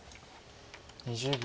２０秒。